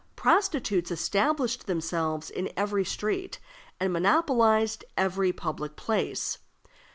Prostitutes established themselves in every street, and monopolized every public place.